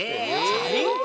チャリンコ？